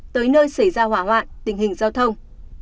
tới nơi xảy ra hỏa hoạn tình hình giao thông